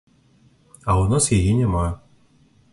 А ў нас яе няма.